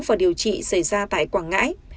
và điều trị xảy ra tại quảng ngãi